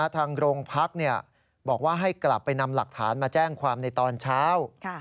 ทางโรงพักบอกว่าให้กลับไปนำหลักฐานมาแจ้งความในตอนเช้า